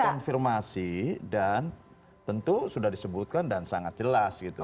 terkonfirmasi dan tentu sudah disebutkan dan sangat jelas gitu